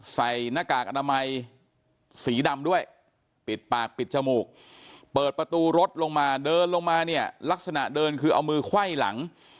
ใส่หน้ากากอนามัยสีดำด้วยปิดปากปิดจมูกเปิดประตูรถลงมาเดินลงมาเนี่ยลักษณะเดินคือเอามือไขว้หลัง